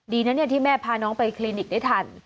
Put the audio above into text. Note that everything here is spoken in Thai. ดีนะเนี่ยที่แม่พาน้องไปคลินิกได้ทัน